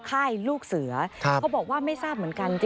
ค่ายลูกเสือเขาบอกว่าไม่ทราบเหมือนกัน